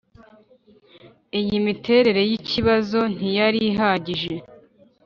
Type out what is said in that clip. iyi miterere y' ikibazo ntiyari ihagije